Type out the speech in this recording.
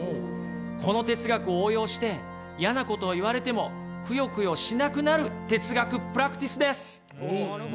この哲学を応用して嫌なことを言われてもくよくよしなくなる哲学プラクティスです！